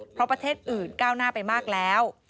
เพราะประเทศอื่นก้าวหน้าไปมากแล้ว